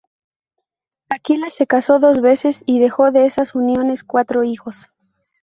Aquila se casó dos veces y dejó, de esas uniones, cuatro hijos.